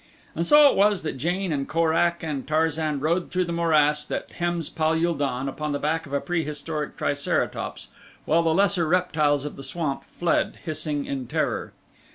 And so it was that Jane and Korak and Tarzan rode through the morass that hems Pal ul don, upon the back of a prehistoric triceratops while the lesser reptiles of the swamp fled hissing in terror.